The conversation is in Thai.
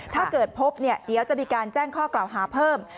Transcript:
ถ้าเกิดพบเนี่ยเดี๋ยวจะมีการแจ้งข้อกล่าวหาเพิ่ม